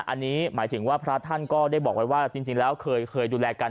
อันนี้หมายถึงว่าพระท่านก็ได้บอกไว้ว่าจริงแล้วเคยดูแลกัน